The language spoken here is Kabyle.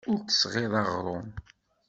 Ur d-tesɣiḍ aɣrum.